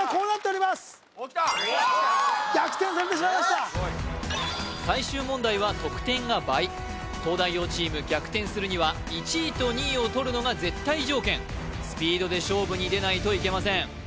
やった逆転されてしまいました最終問題は得点が倍東大王チーム逆転するには１位と２位をとるのが絶対条件スピードで勝負に出ないといけません